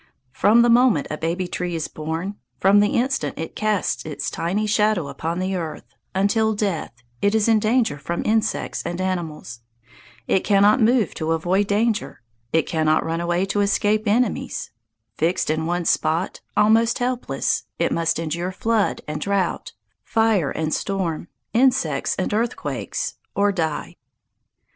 From the moment a baby tree is born from the instant it casts its tiny shadow upon the ground until death, it is in danger from insects and animals. It cannot move to avoid danger. It cannot run away to escape enemies. Fixed in one spot, almost helpless, it must endure flood and drought, fire and storm, insects and earthquakes, or die.